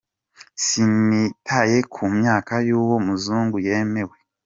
Sinitaye ku myaka y’uwo muzungu, yemwe